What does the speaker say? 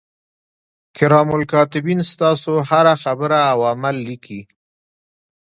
کرام الکاتبین ستاسو هره خبره او عمل لیکي.